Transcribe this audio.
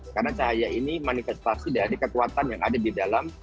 karena cahaya ini manifestasi dari ketuatan yang ada di dalam